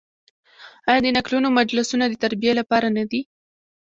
آیا د نکلونو مجلسونه د تربیې لپاره نه دي؟